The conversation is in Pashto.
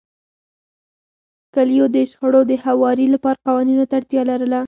کلیو د شخړو د هواري لپاره قوانینو ته اړتیا لرله.